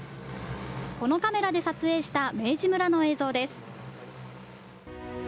このカメラで撮影した明治村の映像です。